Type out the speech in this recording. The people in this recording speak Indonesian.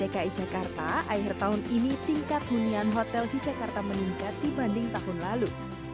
dki jakarta akhir tahun ini tingkat hunian hotel di jakarta meningkat dibanding tahun lalu